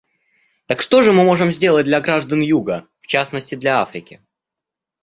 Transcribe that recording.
Так что же мы можем сделать для граждан Юга, в частности для Африки?